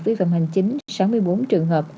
vi phạm hành chính sáu mươi bốn trường hợp